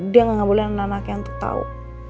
dia nggak boleh anak anaknya untuk tahu